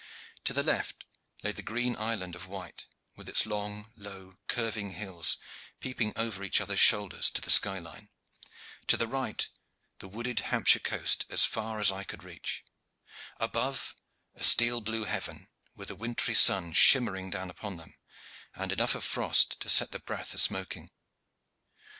To the left lay the green Island of Wight, with its long, low, curving hills peeping over each other's shoulders to the sky line; to the right the wooded Hampshire coast as far as eye could reach; above a steel blue heaven, with a wintry sun shimmering down upon them, and enough of frost to set the breath a smoking.